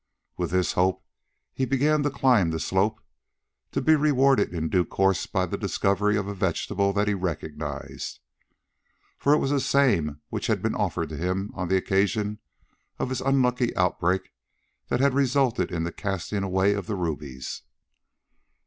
With this hope he began to climb the slope, to be rewarded in due course by the discovery of a vegetable that he recognised, for it was the same which had been offered to him on the occasion of his unlucky outbreak that had resulted in the casting away of the rubies.